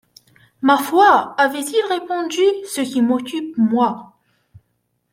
Ma foi, avait-il répondu, ce qui m’occupe, moi